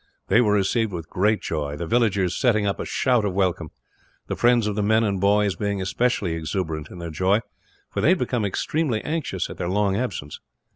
They were received with great joy, the villagers setting up a shout of welcome the friends of the men and boys being especially exuberant in their joy, for they had become extremely anxious at their long absence.